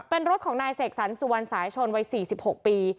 เป็นรถของนายเสกสรรสุวรรณสายชนวัย๔๖ปี